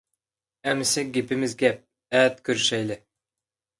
ئەمىسە گېپىمىز گەپ. ئەتە كۆرۈشەيلى.